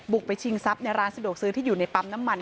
ไปชิงทรัพย์ในร้านสะดวกซื้อที่อยู่ในปั๊มน้ำมัน